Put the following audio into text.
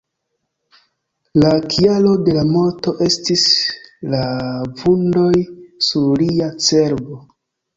La kialo de la morto estis la vundoj sur lia cerbo.